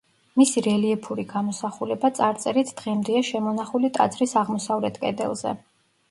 მისი რელიეფური გამოსახულება წარწერით დღემდეა შემონახული ტაძრის აღმოსავლეთ კედელზე.